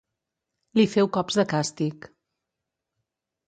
Li feu cops de càstig.